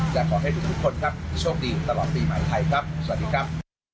และขอให้ทุกคนครับที่โชคดีตลอดปีใหม่ไทยครับสวัสดีครับ